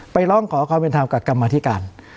ร้องขอความเป็นธรรมกับกรรมธิการ